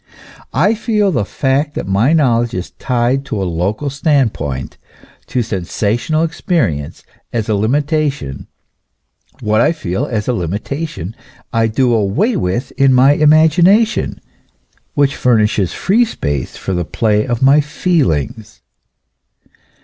I feel the fact that my knowledge is tied to a local stand point, to sensational experience, as a limitation; what I feel as a limitation I do away with in my imagination, which furnishes free space for the play of my feelings.